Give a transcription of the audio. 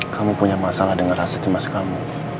kamu punya masalah dengan rasa cemas kamu